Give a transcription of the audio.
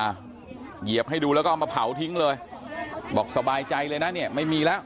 เหยียบให้ดูแล้วก็เอามาเผาทิ้งเลยบอกสบายใจเลยนะเนี่ยไม่มีแล้ว